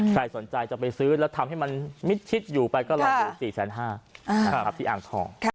ใครสนใจจะไปซื้อแล้วทำให้มันมิดชิดอยู่ไปก็ลองดู๔๕๐๐นะครับที่อ่างทอง